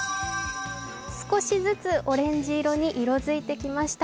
少しずつ、オレンジ色に色づいてきました。